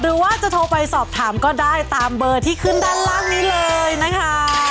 หรือว่าจะโทรไปสอบถามก็ได้ตามเบอร์ที่ขึ้นด้านล่างนี้เลยนะคะ